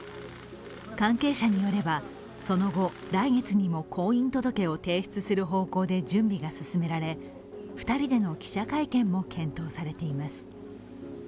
関係者によれば、その後、来月にも婚姻届を提出する方向で準備が進められ２人での記者会見も検討されています。